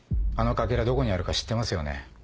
あのかけらどこにあるか知ってますよね？